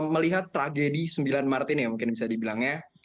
melihat tragedi sembilan martini mungkin bisa dibilangnya